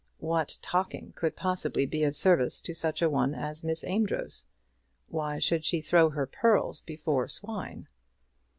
What talking could possibly be of service to such a one as this Miss Amedroz? Why should she throw her pearls before swine?